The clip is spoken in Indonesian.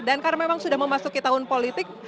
dan karena memang sudah memasuki tahun politik